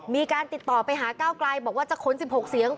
มีการติดต่อไปหาก้าวไกลบอกว่าจะขน๑๖เสียง